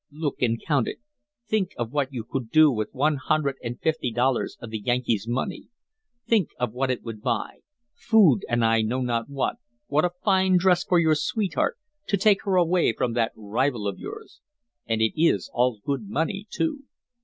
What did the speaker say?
Look and count it. Think of what you could do with one hundred and fifty dollars of the Yankee's money. Think of what it would buy food and I know not what a fine dress for your sweetheart, to take her away from that rival of yours. And it is all good money, too."